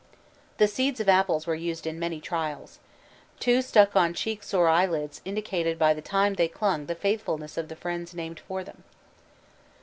_ The seeds of apples were used in many trials. Two stuck on cheeks or eyelids indicated by the time they clung the faithfulness of the friends named for them.